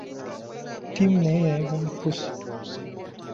Tim naye yayagala pussi.